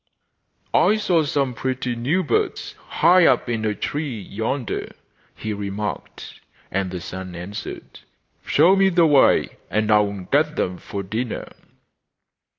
'I saw some pretty new birds, high up in a tree yonder,' he remarked. And the son answered: 'Show me the way and I will get them for dinner.